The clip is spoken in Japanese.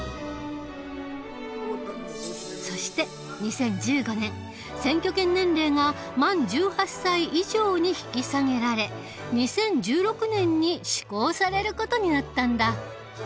そして２０１５年選挙権年齢が満１８歳以上に引き下げられ２０１６年に施行される事になったんだ。